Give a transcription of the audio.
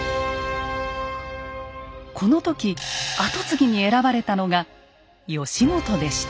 この時跡継ぎに選ばれたのが義元でした。